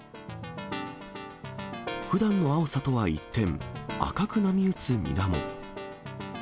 ふだんの青さとは一転、赤く波打つみなも。